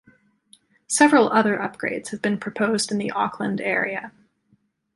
Several other upgrades have been proposed in the Auckland area.